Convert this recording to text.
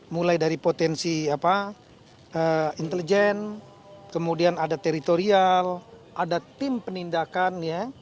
mulai dari potensi intelijen kemudian ada teritorial ada tim penindakan